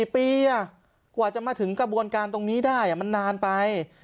๔ปีกว่าจะมาถึงกระบวนการตรงนี้ได้มันนานไป